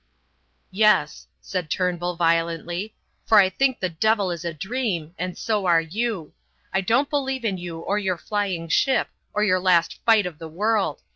"Yes," said Turnbull, violently. "For I think the devil is a dream, and so are you. I don't believe in you or your flying ship or your last fight of the world.